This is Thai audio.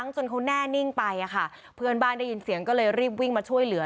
จนเขาแน่นิ่งไปเพื่อนบ้านได้ยินเสียงก็เลยรีบวิ่งมาช่วยเหลือ